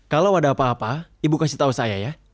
kalau ada apa apa ibu kasih tau saya ya